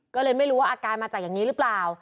ก็เลยไม่รู้ว่าอาการมาจากอย่างนี้หรือเปล่า